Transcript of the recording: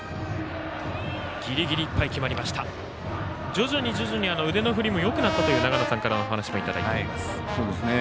徐々に徐々に腕の振りもよくなったと長野さんからのお話もいただいています。